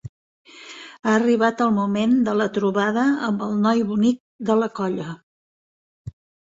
Ha arribat el moment de la trobada amb el noi bonic de la colla.